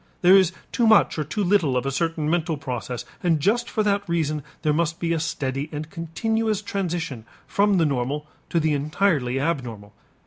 There is too much or too little of a certain mental process and just for that reason there must be a steady and continuous transition from the normal to the entirely abnormal.